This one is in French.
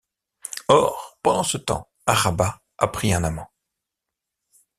Or, pendant ce temps, Araba a pris un amant.